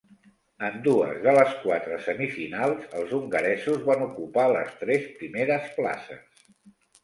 En dues de les quatre semifinals els hongaresos van ocupar les tres primeres places.